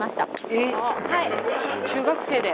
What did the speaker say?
えっ！？中学生で？